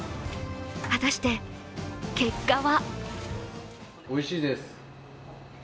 果たして結果は？